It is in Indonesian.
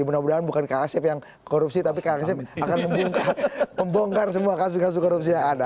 mudah mudahan bukan kak asep yang korupsi tapi kang asep akan membongkar semua kasus kasus korupsi yang ada